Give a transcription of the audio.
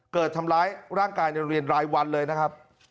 เกิดทำร้ายร่างกายในโรงเรียนรายวันเลยนะครับ